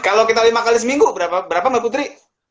kalau kita lima kali seminggu berapa mbak putri